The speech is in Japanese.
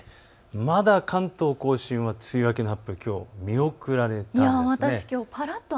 まだ関東甲信は梅雨明けの発表、きょう見送られたんです。